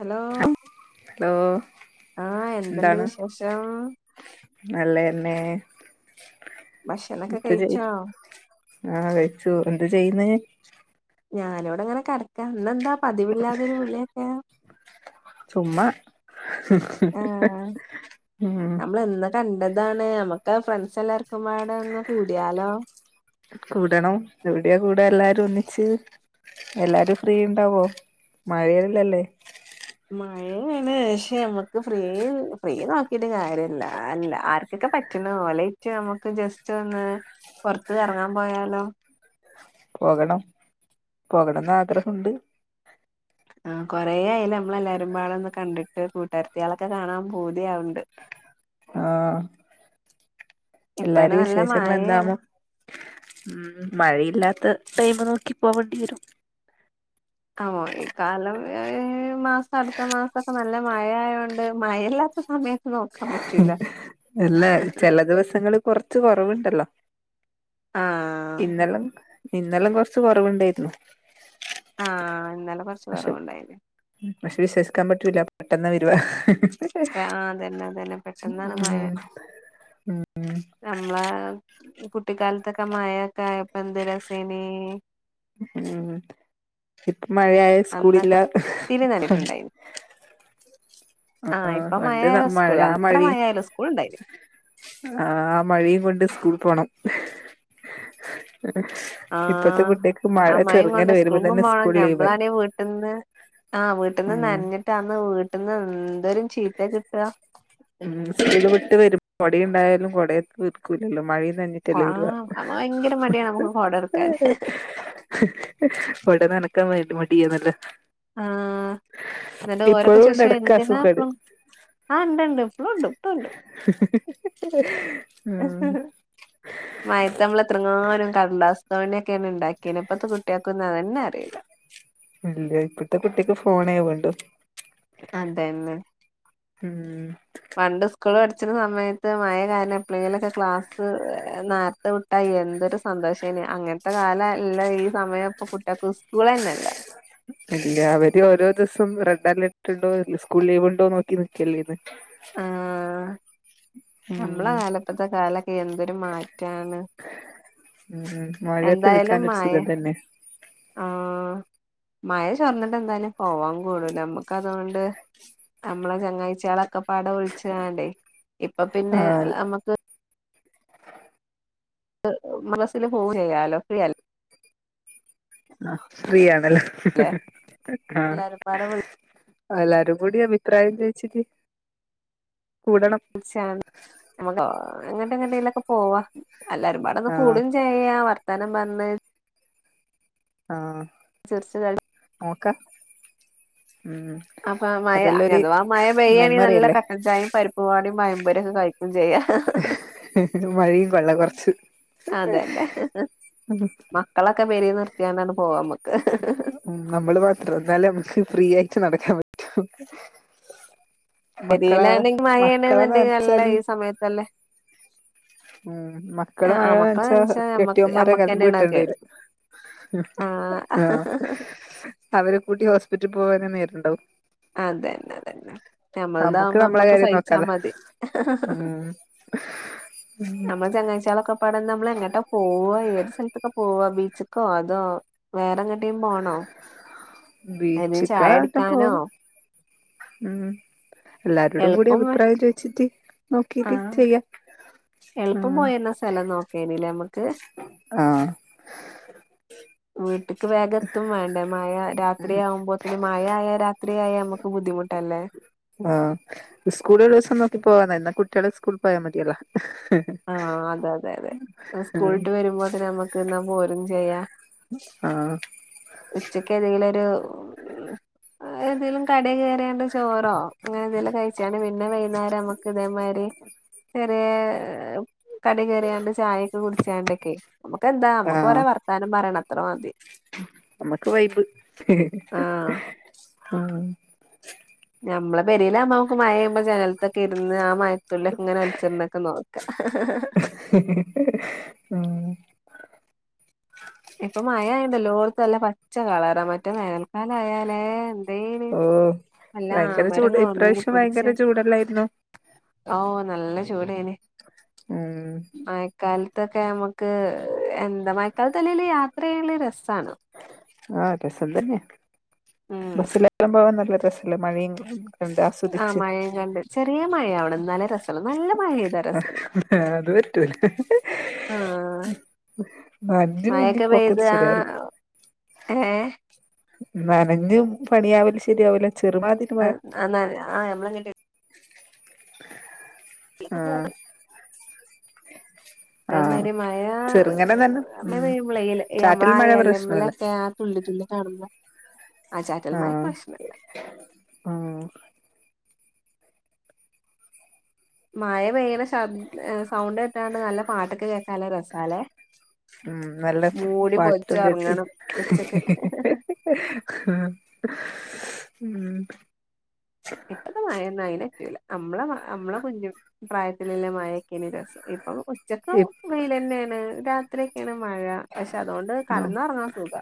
Hello hello ആ എന്ത്‌ണ്ട് എന്താണ് വിശേഷം? നല്ലതന്നെ ഭക്ഷണൊക്കെ ഇത്തിരി കഴിച്ചോ ഉത് ആ കഴിച്ചു എന്ത ചെയ്യ്ന്ന്? ഞാന് ഇവടെങ്ങനെ കെടക്കാ ഇന്നെന്താ പതിവില്ലാതൊരു വിളിയൊക്കെ? ചുമ്മാ ഉം അമ്ള് എന്ന് കണ്ടതാണ് അമ്മക്ക ഫ്രണ്ട്സ് എല്ലാർക്കും പാടങ്ങ് കൂട്യലോ? കൂടണം എവിട്യ കൂട എല്ലാരും ഒന്നിച്ച്? എല്ലാരും ഫ്രീ ണ്ടാവോ മഴയല്ലല്ലേ? മഴയാണ് പക്ഷേ അമ്മക്ക് ഫ്രീ ഫ്രീ നോക്കീട്ട് കാര്യല്ല അല്ല ആർക്കൊക്കെ പറ്റ് റ്റ്ണ ഓലയ്റ്റ് നമുക്ക് ജസ്റ്റ് ഒന്ന് പൊർത്ത് കറങ്ങാ പോയാലോ? പോകണം പോകണംന്ന് ആഗ്രഹുണ്ട്. ആ കൊറെആയല്ലോ നമ്മളെല്ലാരുംമ്പാടെ ഒന്ന് കണ്ട്ട്ട് കൂട്ട്ര്ത്തിളൊക്കെ കാണാ പൂതി ആവ്ണ്ട്. ആ ഇപ്പഴാണ് എല്ലാരി നല്ല വിശേഷങ്ങള് മഴയാണ് എന്താമോ? ഉം മഴയില്ലാത്ത ടൈമ് നോക്കി പോവേണ്ടി വരും. വോ ഈ കാലംഏ മാസം അട്ത്ത മാസംക്കെ നല്ല മഴയായോണ്ട് മഴയില്ലാത്ത സമയ എല്ലാ ചെല ദെവസങ്ങളിൽ കൊറച്ച് കൊറവ്ണ്ടല്ലോ.? ആഹ് ഇന്നെലം ഇന്നെലം കൊറച്ച് കൊറവുണ്ടേയിരുന്നു. ആ ഇന്നലെ കൊർച്ച് കൊറവ്ണ്ടായ്നു. പക്ഷെ വിശ്വസ്ക്കാ പറ്റൂല പെട്ടെന്ന് വരുവാ ആതന്നെ അതെന്നെ. ഉം ഉം നമ്മള കുട്ടിക്കാലത്തൊക്കെ മയക്കായപ്പ ന്ത്‌ രസേനീ ഉംഉം ഇപ്പ മഴയായ സ്കൂളില്ല. അന്നൊക്കെ ആ ഇപ്പ പണ്ട് മയായാ മഴ സ്കൂള്ള ആ ത്ര മഴയും മയയാലു സ്കൂൾ ണ്ടായ്നു. ആ മഴയും കൊണ്ട് സ്കൂൾ പോണം ഇപ്പത്തെ ആഹ് കുട്ട്യേക്ക് മഴ ആ മഴയും കൊണ്ട് ചെറുങ്ങനെ വെരുമ്പോ സ്കൂൾക്കും തന്നെ സ്കൂൾ ലീവായി. ആ വീട്ട്ന്ന് ഉം നനഞ്ഞിട്ടാന്ന് വീട്ട്ന്ന് എന്തോരു ചീത്ത കിട്ടാ. ഉം സ്കൂള് വിട്ട് വരും കൊട ണ്ടായാലും കൊടെ [unintelligible] ല്ലല്ലോ മഴയും ന്നനഞ്ഞിട്ടല്ലേ വെരുവാ. ആഹ് ഭയങ്കര മടിയാണ് നമുക്ക് കൊടട്ക്കാൻ കൊട നനക്കാൻ വേണ്ടി മടിയന്നല്ല. ആ ന്നിട്ട് ഓരോക്കെ ഉണ്ട് ചോയ്ച്ചും എടക്ക് അസുഖേട് എന്തിനാപ്പം ആ് ണ്ട് ണ്ട് ഇപ്പളുണ്ട് ഇപ്പളു ണ്ട്. [inaudible] മയത്ത് മ്മ്ള് എത്രങ്ങാനും കട്ലാസ് തോണിയൊക്കെയാണ് ഉണ്ടാക്കിന് ഇപ്പത്തെ കുട്ടികക്കൊന്നും അതന്നെ അറിയില്ല ഇല്യ ഇപ്പഴത്തെ കുട്ടിക്ക് ഫോണേ വേണ്ടു അതന്നെ ഉം പണ്ട് സ്കൂള് പഠിച്ചിന്ന സമയത്ത് മഴ കാരണം എപ്പളെങ്കിലോക്കെ ക്ലാസ് നാര് ത്തെ വിട്ടാ എന്തൊരു സന്തോഷേനി അങ്ങൻത്ത കാല അല്ല ഈ സമയം ഇപ്പ കുട്ടിയെക്ക് സ്കൂളന്നല്ല ഇല്ല അവര് ഓരോ ദിവസം റെഡ് അലർട്ട് ഇണ്ടോ സ്കൂള് ലീവ് ഇണ്ടോ നോക്കി നിക്കല്ലേന്ന് ആ ഞമ്മളെ ഉം കാലം ഇപ്പത്ത കാലെക്കെ എന്തൊരു മാറ്റാണ് ഉം ഉം മഴത്ത് എന്തായാലും നിക്കാന് മഴ ഒരുസുഖം തന്നെ ആഹ് മഴ ചൊർന്നിട്ട് എന്തായാലും പോവാം കൂടൂല നമ്മക്ക് അതുകൊണ്ട് നമ്മളെ ചങ്ങാഴ്ചളൊക്കെ പാടെ വിൾച്കാണ്ടെ ഇപ്പ പിന്നെ ആഹ് അമ്മ മ്മർ ബസ്സില് പോവു ചെയ്യാലോ ഫ്രീ അ ആഹ ഫ്രീ ആണല്ല ആഹ എല്ലാരും പാടെ അല്ലാരും കൂടി അഭിപ്രായം ചോഴിച്ചിട്ട് കൂടണം [unintelligible] എങ്ങട്ടെലൊക്കെ പോവാ അല്ലാരുംപാടെ ഒന്ന് ആഹ് കൂടും ചെ ചെയ്യാ വർത്താനം പർഞ്ഞ് ആ ചിർച് കൾ നോകാം മ്. അപ്പൊ മഴ അഥവാ മഴ പെയ്യാണെങ്കിൽ നല്ല മെമ്മറിയല്ലേ കട്ടൻ ചായയും പരിപ്പ് പാടയും പഴംപോരിംരൊക്കെ കഴിക്കും ചെയ്യ മഴയുംകഥ പറച്ചിലും. അതന്നെ മക്കളൊക്കെ പെരെല് നിർത്തിയാണ്ടാണ് പോവാ നമക്ക്. ഉം നമ്മള് മാത്രം ന്നാലെ നമക്ക് ഫ്രീ ആയിട്ട് നടക്കാൻ പറ്റു മക്കളെ പെരേലാണെങ്കി മക്കളെ മഴയാണ്ന്നുണ്ടെങ്കി നല്ല നന്ച്ചാല്. ഈ സമയത്തല്ലേ. ഉം ആ മക്കള് ആ മഴ മക്കളെ വെച്ചാ നനച്ചാ നമ്മക്ക് കെട്ടിയേമാരെ കമ്പ് നമ്മക്കന്നെയാണ് അത് കിട്ടേണ്ടി കേട് വരും. ആ മ് ആഹ് അവരെ കൂട്ടി ഹോസ്പിറ്റൽ പോവാതെ നേരണ്ടാവൂ. അതന്നെതന്നെ നമ്മുക്ക് ഞമ്മൾതാവുമ്പോ നമ്മളെ നമ്മക്ക് കാര്യം സഹിച്ചാ നോക്കാലോ മതി ഹേ ഹി ഹി ഉം ഉം. ചങ്ങാഴ്ചകളൊക്കെ പാട നമ്മള് എങ്ങട്ടാ പോവ ഏത് സ്ഥലത്തൊക്കെ പോവ ബീച്ചക്കോ അതോ വേറെങ്ങട്ടിം പോണോ? അയിന് ചായ ബീച്ചിക്കാട്ട് കുടിക്കാനോ പോവ. ഉം എല്ലാരോടും കൂടി അഭിപ്രായം ചോദിച്ചിട്ട്. നോക്കീട്ട് ആഹ് ചെയ്യാം എള്പ്പം ഉം പോയിര്ന്ന സലം നോക്കേനില്ലേ നമ്മക്ക്. [inaudible] വീട്ട്ക്ക് വേഗത്തും വേണ്ടേ മഴ രാത്രിയാവുമ്പോത്ത്ന് മഴ ആയ രാത്രിയായ നമ്മക്ക് ബുദ്ധിമുട്ടല്ലേ. ആഹ് സ്കൂളുള്ള ദിസം നോക്കി പോവാന്ന എന്ന കുട്ടികളെ സ്കൂൾ പോയാ മതിയല്ലേ. ആഹ് അതെ അതെ അതെ സ്കൂള്ട്ട് വരുമ്പോത്തിന് നമ്മക്ക് ഇന്നാ പോരും ചെയ്യാ. ആഹ് ഉച്ചക്ക് ഏതെങ്കിലെരു. [inaudible] പിന്നെ എതേലും കടേ കേറീണ്ട് ചോറോ അങ്ങനെ എന്തെലും കഴിച്ചാണ്ട് പിന്നെ വൈകുന്നേരം നമ്മക്ക് ഇതേ മാതിരി. തരെ കട കയറിയാണ്ട് ചായൊക്കെ കുടിച്ചാണ്ടൊക്കെ നമുക്ക്ന്താ നമുക്ക് ഒരേ വർത്താനം പറയണം അ ത്രറതി നമ്മക്ക് വൈബ് ആഹ് ആഹ്. ഞമ്മളെ പെരേലാവുമ്പ നമക്ക് മഴയുമ്പോ ജനൽത്തൊക്കെ ഇരുന്ന് ആ മയത്തുള്ളി ഒക്കെ ഇങ്ങെനെ ഒൽച്ചോര്ന്നൊക്കെ നോ ക്ക ഉം ഇപ്പ മഴ ആയൊണ്ട് എല്ലോട്ത്തും നല്ല പച്ച കളറ മറ്റ വേനൽക്കാല ആയാലേ എന്തേനി ഉം നല്ല ഭയങ്കര ചൂട് ആമരങ്ങൾ ഒണങ്ങി ഇപ്രാവശ്യം ഭയങ്കര പിടിച്ച് ചൂടല്ലായിരുന്നോ ഓ നല്ല ചൂടേനി ഉം മഴക്കാൽത്തൊക്കെ നമുക്ക് എന്താ മഴക്കാൽ ത്തലെല് യാത്ര ചെയ്യല് രസാണ് ആ രസം തന്നെ ഉം ബസ്സിലെല്ലാം പോവാൻ നല്ല രസല്ലേ മഴയും കണ്ട് ആ ആസ്വദിച്ച് മഴയും കണ്ട് ചെറിയ മഴയാവണം ന്നാലെ രസള്ളൂ നല്ല മഴ പെയ്ദ രസ അതു ആഹ് വ [unintelligible] മഴൊക്കെ പോക്ക് പെയ്ത് ആ ശരിയാവൂല ഏ നനഞ് പണിയാവല് ശരിയാവൂല ചെറ്മാതി ആ നന ആ ഞമ്മളങ്ങട്ട് ആ അതേമാഴിരി മഴ നല്ല മഴ ഉം പെയ്യുമ്പളെ എല നമ്മളെ ചാറ്റൽ മഴ ആ പ്രശ്നല്ല എലമ്മലൊക്കെ തുള്ളിത്തുള്ളി കാണുന്ന ആ ചാറ്റൽ മഴ പ്രശ്നല്ല ഉം മഴ പെയ്യ്ണ ശബ് സൗണ്ട് കെട്ടാണ്ട് നല്ല പാട്ടൊക്കെ കേക്കാ നല്ല രസാ ലെ ഉം നല്ല പാട്ടും കേട്ട് ഒറങ്ങണം ഉച്ചക്ക് ഉം ഇപ്പത്തെ മഴന്നും അഴിന് പറ്റൂല അമ്മളെ അമ്മളെ കുഞ് പ്രായത്തിലല്ല മയെക്കെനി രസം. ഇപ്പൊ ഉച്ചക്കും വെഴിലെന്നെണ് രാ ത്രിക്കെണ് മഴ പക്ഷെ അതുകൊണ്ട് കട്ന്നോർങ്ങാൻ സുഖ.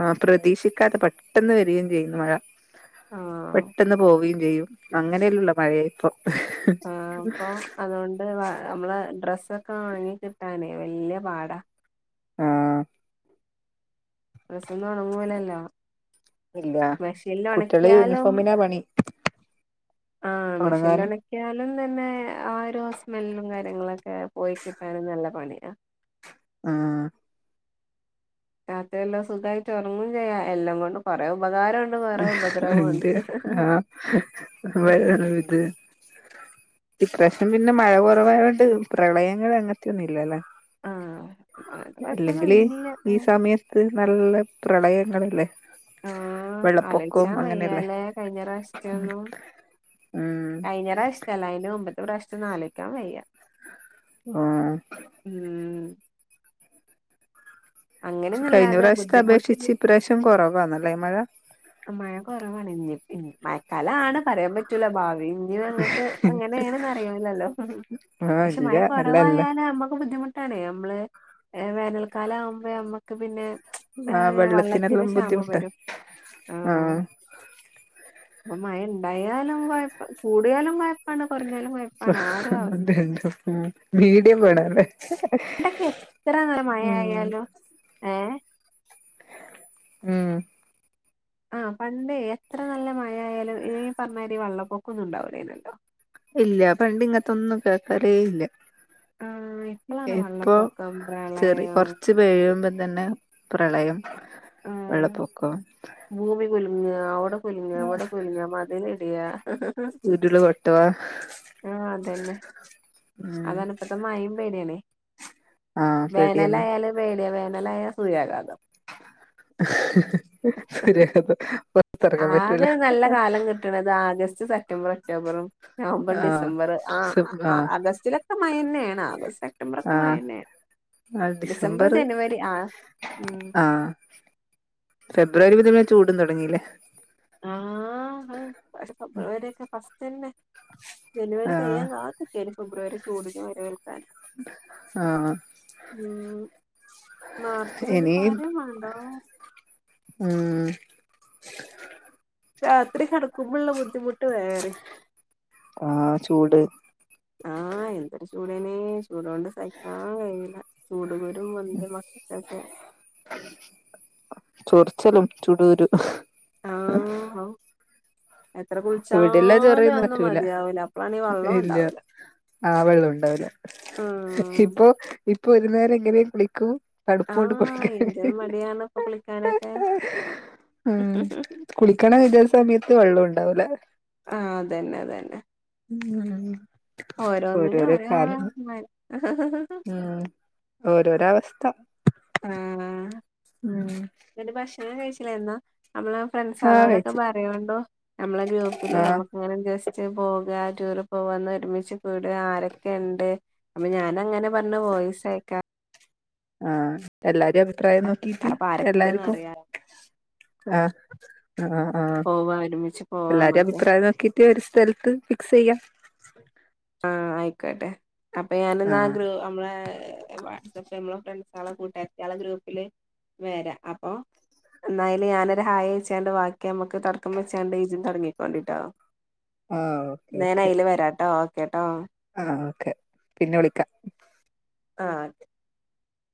ആ പ്രതീക്ഷിക്കാതെ പെട്ടെന്ന് വരികയും ചെയ്യുന്നു മഴ. ആഹ് പെട്ടെന്ന് പോവേം ചെയ്യും അങ്ങനെള്ള മഴയ ഇപ്പൊ. ആ അപ്പൊ അതുകൊണ്ട് നമ്മളെ ഡ്രസ്സൊക്കെ ഒണങ്ങി കിട്ടാനേ വല്യ പാടാ. ആഹ് ഡ്രസ്സ് ഒന്നുംഉണങ്ങുലല്ലോ ഇല്ല മിഷീനിൽ കുട്ടികളെ ഉണക്കിയാലും യൂണിഫോമിനാ പണി ആഹ് ഉണങ്ങാന് മെഷീനി ക്കാലും തന്നെ ആരോ സ്മെല്ലും കാര്യങ്ങളൊക്കെ പോയി കിട്ടാനും നല്ല പണിയാ ആഹ് രാത് എല്ലാം സുഖമായിട്ടുറങ്ങും ചെയ്യാം എല്ലാം കൊണ്ട് കൊറെ ഉപകാരം ഉണ്ട്. ഉണ്ട് ആഹ് വേറൊരു ഇത്. ഈ പ്രശ്നം പിന്നെ മഴ കുറവായത കൊണ്ട് പ്രളയങ്ങൾ അങ്ങനത്തെെയൊന്നുംല്ലല്ലോ. ആഹ് അങ്ങനത്തെ അല്ലെങ്കില് കൊഴപ്പൊന്നുല്ല ഈ സമയത്ത് നല്ല പ്രളയങ്ങളല്ലേ വെള്ളപ്പൊക്കവും ആലോയിച്ചാ അങ്ങനെയല്ലേ വയ്യാലേ കഴിഞ്ഞോവശ്യൊന്നും ഉം കഴിഞ്ഞറാശ്യ ചെല അന്റെ മുമ്പ് പ്രശ്ം നാലോയ്ക്കാൻ വയ്യ ആഹ് ഉം പക്ഷെ കഴിഞ്ഞ അങ്ങനെയൊന്നുല്ലാതെ പ്രാവശ്യത്തെ അപേക്ഷിച്ച് ബുദ്ധിമുട്ടില് ഇപ്രാവശ്യം കുറവാണല്ലേ മഴ മഴ കുറവാണ് ഇന്ന് ഇ മഴക്കാലാണ് പറയാൻ പറ്റൂല ഭാവി ഇഞ്ഞും അങ്ങട്ട് അങ്ങനെയണെന്ന് അറിയൂല്ലല്ലോ. ആഹ് പക്ഷെ ഇല്ല മഴ അല്ല അല്ല കുറവായാല് നമ്മുക്ക് ബുദ്ധിമുട്ട്. ണ നമ്മള് വേനൽക്കാലം ആകുമ്പോ നമ്മക്ക് പിന്നെ ആഹ് ഏഹ് വള്ളത്തിന് വെള്ളത്തിനെല്ലാം ക്ഷാമം ബുദ്ധിമുട്ട വരും ആഹ് അപ്പൊ മഴ ഇണ്ടായാലും കുഴപ്പ കൂടിയാലും കുഴപ്പാണ് കുറഞ്ഞാലും കുഴപ്പാണ് ആ ഒരു അവസ്ഥ. ബ മീഡിയം വേണല്ലേ പണ്ടക്കെ എത്ര നേരം ഉം മഴയാലും ഏഹ് ഉം ആ പണ്ടേ എത്ര നല്ല മഴയാലും ഇ പറഞ്ഞമാതിരി വെള്ളപ്പൊക്കൊ ഒന്നും ഉണ്ടാവൂല്ലല്ലോ. ഇല്ല പണ്ട ഇങ്ങത്തെ ഒന്നും കേൾക്കറേ ഇല്ല ആ ഇപ്പോളാണ് ഇപ്പൊ വെള്ളപ്പൊക്കം ചെറി പ്രളയം കുറച് ഇത് പെയ്യുമ്പതന്നെ പ്രളയം ആ വെള്ളപ്പൊക്കം ഭൂമി കുലുങ്ങുക അവിടെ കുലുങ്ങുക ഇവിടെ കുലുങ്ങുക മതില് ഇടിയാ. ആ ഉം അപോ മഴയും പേടിയണേ ആഹ് പേടിയാന്ന് വേനലായാല് പേടിയ വേനലായാൽ സൂര്യാഘാതം സൂര്യ ഘാതം ആകെ നല്ല കാലം കിട്ടണത് ആഗസ്റ്റ് സെപ്റ്റംബർ ഒക്ടോബറും. നവംബർ ആ ഡിസംബർ ആഹ് ആ ആഗസ്റ്റിലൊക്കെ മഴ തന്നെയാണ് ആഗസ്റ്റ് സെപ്റ്റംബറാക്കെ ആ മഴ തന്നെയാണ്. ആ ഡിസംബർ ഉം ആഹ് ഫെബ്രുവരിതന്നെ ചൂടും തുടങ്ങില്ലേ. ആഹ് പക്ഷെ ഫെബ്രുവരി ഒക്കെ ഫസ്റ്റ്ന്നെ ജനുവരി ആ കഴിയാൻ കാ ഫെബ്രുവരി വരെ ചൂടിന് വരവൽക് ആഹ് മാർച്ചിലൊന്ന് പറി വേണ്ട. ഉം. രാത്രി കിടക്കുമ്പോള്ള ബുദ്ധിമുട്ട് വേറിം ആ ചൂട് ആഹ് എന്തൊരു ചൂടാണ് ചൂട് കൊണ്ട് സഹിക്കാൻ കഴിയില്ല ചൂട് കുരു. [unintelligible] മക്കക്കൊക്കെ ചൊറിച്ചലും ചടൂരു. ആഹ് എത്ര ഇവിടെല്ലാം കുളിച്ചാലും ചൊറയൊന്നും അന്നും പറ്റൂല മതിയാവൂല അപ്പളാണീ വള്ളം ഉണ്ടാവൂല. ആഹ് വെള്ളം ഉണ്ടാവില്ല ഉം ഇപ്പൊ ഇപ്പൊ ഒരു നേരം എങ്ങനെയ കുളിക്കൂ. തണുപ്പ് കൊണ്ട് കുളിക്ക ആഹ് എന്തൊരു മടിയാണ് ഇപ്പൊ കുളിക്കാനൊക്കെ ആഹ് കുളിക്കണം വിചാരിച്ചാ സമയത്ത് വെള്ളം ഉണ്ടാവൂല. ആഹ് അതന്നെ അതന്നെ. [unintelligible] ഓരോന്നിനും ഓരോരോ ഓരോ കാലം [unintelligible] ഉം ഓരോര അവസ്ഥ. ആഹ് ഏ എന്നട്ട് ഭക്ഷണം കഴിച്ചില്ല എന്നാ നമ്മള ഫ്രണ്ട്സ് ആഹ് ആളോടൊക്കെ കഴിച്ചു പറയോണ്ടോ നമ്മളെ ഗ്രൂപ്പില് ആഹ് നമ്മ അങ്ങനെ ജസ്റ്റ് പോക ടൂറ് പോവാന്ന് ഒരുമിച്ച് കൂട ആരൊക്കെ ഇണ്ട്. അപ്പൊ ഞാൻ അങ്ങനെ പറഞ്ഞ വോയിസ്സയക്കാ. ആഹ് എല്ലാരും അഭിപ്രായം നോക്കീട്ട് അപ്പൊ ആരൊക്കെ ഉണ്ടെന്ന് എല്ലാർക്കും അറിയാം ആഹ്. ആഹ് ആഹ്ആഹ് പോവാ ഒരുമിച്ച് പോവാ എല്ലാരും നമ്മക്ക് അഭിപ്രായം നോക്കിട്ട് ഒരു സ്ഥലത്ത് ഫിക്സ് ചെയ്യാ ആഹ് ആയിക്കോട്ടെ അപ്പൊ ഞാനന്ന ആഹ് ഗ്രൂ നമ്മള. വാട്സപ്പ് നമ്മ ഫ്രണ്ട്സ ആള കൂട്ടാതിആളെ ഗ്രൂപ്പില് വരാ അപ്പൊ. എന്നായാല് ഞാനൊരു ഹായ വെച്ചാണ്ട് വാക്കി നമുക്ക് തുടക്കം വെച്ചാണ്ട് ഇജും തുടങ്ങിക്കോണ്ടിട്ടോ. ആഹ് ഓക്കെ ന്നാന് ഓക്കെ അയിലെ വരാട്ടോ ഓക്കേട്ടോ. ആഹ് ഓക്കെ പിന്നെ വിളിക്കാ ആഹ് തെ